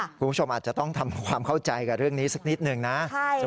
คุณผู้ชมอาจจะต้องทำความเข้าใจกับเรื่องนี้สักนิดหนึ่งนะ